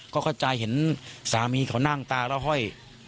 ก็เข้าใจเห็นสามีเขานั่งตาแล้วห้อย